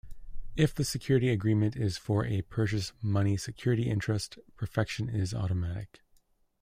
If the security agreement is for a purchase money security interest, perfection is automatic.